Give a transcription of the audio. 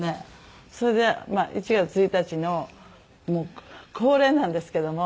それで１月１日のもう恒例なんですけども。